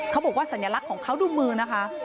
เขาบอกว่าสัญลักษณ์ของเขาดูมือนะคะ